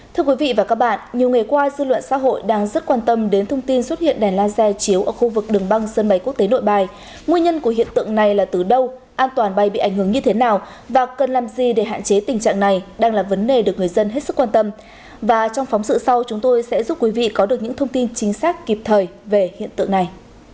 thưa quý vị và các bạn nhiều người qua dư luận xã hội đang rất quan tâm đến thông tin xuất hiện đèn laser chiếu ở khu vực đường băng sân bay quốc tế nội bài nguyên nhân của hiện tượng này là từ đâu an toàn bay bị ảnh hưởng như thế nào và cần làm gì để hạn chế tình trạng này đang là vấn đề được người dân hết sức quan tâm và trong phóng sự sau chúng tôi sẽ giúp quý vị có được những thông tin chính xác kịp thời về hiện tượng này